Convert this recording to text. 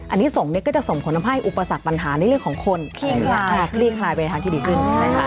อันนี้ส่งก็จะส่งผลทำให้อุปสรรคปัญหาในเรื่องของคนคลี่คลายไปในทางที่ดีขึ้น